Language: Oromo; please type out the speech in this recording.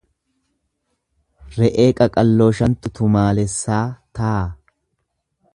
Re'ee qaqalloo shantu tumaalessaa taa.